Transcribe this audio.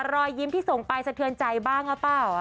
รอยยิ้มที่ส่งไปสะเทือนใจบ้างหรือเปล่า